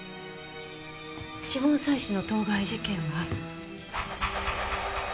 指紋採取の当該事件は。